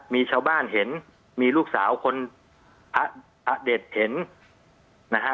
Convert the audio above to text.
มีชาวบ้านเห็นมีลูกสาวคนอเด็ดเห็นนะฮะ